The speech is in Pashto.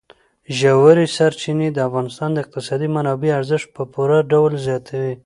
ژورې سرچینې د افغانستان د اقتصادي منابعو ارزښت په پوره ډول زیاتوي.